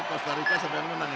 pastarika sampai menang